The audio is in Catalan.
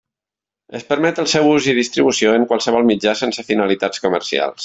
Es permet el seu ús i distribució en qualsevol mitjà sense finalitats comercials.